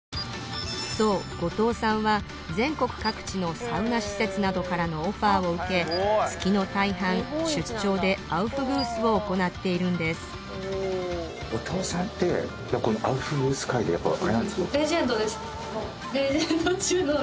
そう五塔さんは全国各地のサウナ施設などからのオファーを受け月の大半出張でアウフグースを行なっているんですレジェンドです。